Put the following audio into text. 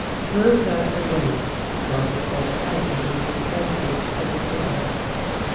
"'Throw that away,' Robert said quietly with a scant look at the cigarette."